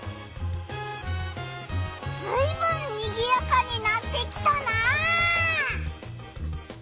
ずいぶんにぎやかになってきたな！